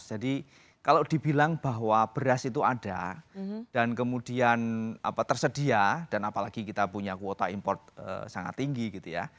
jadi kalau dibilang bahwa beras itu ada dan kemudian tersedia dan apalagi kita punya kuota import sangat tinggi gitu ya